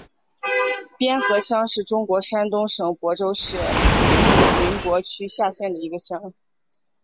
边河乡是中国山东省淄博市临淄区下辖的一个乡。